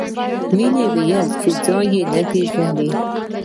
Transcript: مینې وویل چې ځای یې نه پېژني